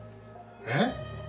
えっ？